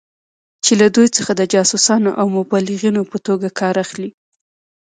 چې له دوی څخه د جاسوسانو او مبلغینو په توګه کار اخلي.